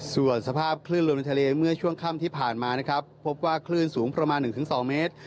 ส่วนสภาพคลื่นลมในทะเลเมื่อช่วงค่ำที่ผ่านมานะครับพบว่าคลื่นสูงประมาณ๑๒เมตร